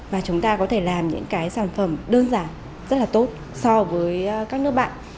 và chúng ta có thể làm những cái sản phẩm đơn giản rất là tốt so với các nước bạn